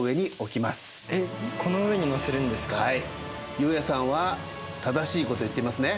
悠也さんは正しいこと言っていますね？